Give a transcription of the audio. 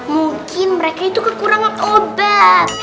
mungkin mereka itu kekurangan obat